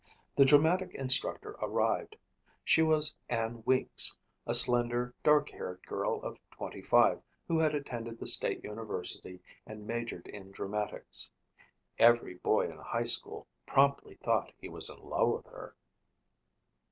The dramatic instructor arrived. She was Anne Weeks, a slender, dark haired girl of 25 who had attended the state university and majored in dramatics. Every boy in high school promptly thought he was in love with her.